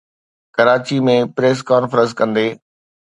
Karachi ۾ press conference ڪندي